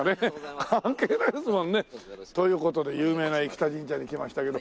関係ないですもんね。という事で有名な生田神社に来ましたけど。